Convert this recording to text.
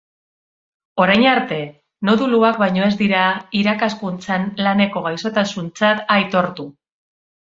Orain arte, noduluak baino ez dira irakaskuntzan laneko gaixotasuntzat aitortu.